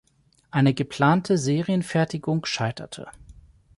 Eine geplante Serienfertigung scheiterte.